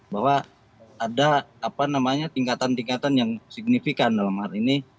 bahwa ada tingkatan tingkatan yang signifikan dalam hal ini